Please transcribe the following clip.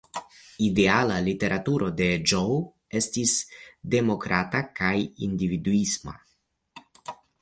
Ideala literaturo de Zhou estis kaj demokrata kaj individuisma.